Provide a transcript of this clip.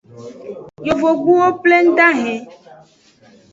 Yovogbulowo pleng dahen.